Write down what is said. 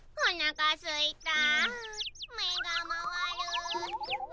おなかすいた。